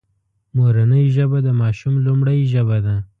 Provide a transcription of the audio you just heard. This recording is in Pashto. مورنۍ ژبه د ماشوم لومړۍ ژبه ده